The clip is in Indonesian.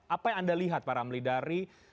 apa yang anda lihat pak ramli dari